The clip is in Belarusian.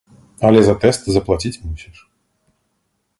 Але за тэст заплаціць мусіш.